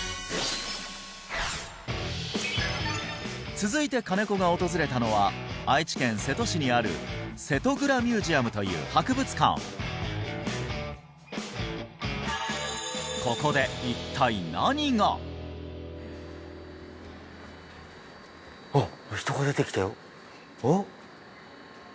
続いて金子が訪れたのは愛知県瀬戸市にある瀬戸蔵ミュージアムという博物館おっおお？